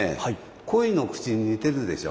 鯉の口に似てるでしょ。